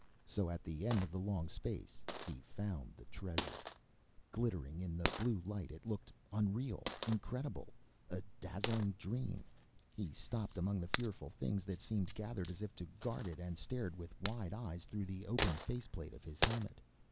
So, at the end of the long space, he found the treasure. Glittering in the blue light, it looked unreal. Incredible. A dazzling dream. He stopped among the fearful things that seemed gathered as if to guard it, and stared with wide eyes through the opened face plate of his helmet.